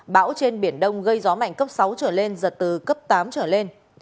bão trên biển đông gây gió mạnh cấp sáu trở lên giật từ cấp tám trở lên